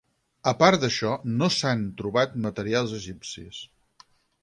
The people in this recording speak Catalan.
A part d'això no s'han trobat materials egipcis.